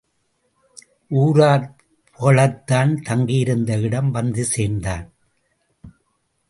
ஊரார் புகழத்தான் தங்கியிருந்த இடம் வந்து சேர்ந்தான்.